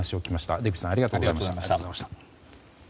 出口さんありがとうございました。